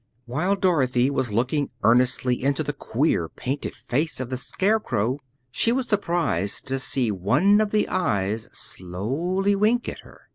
While Dorothy was looking earnestly into the queer, painted face of the Scarecrow, she was surprised to see one of the eyes slowly wink at her.